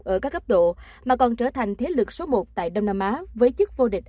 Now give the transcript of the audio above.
ở các góc độ mà còn trở thành thế lực số một tại đông nam á với chức vô địch